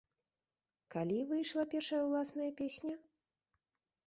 Калі выйшла першая ўласная песня?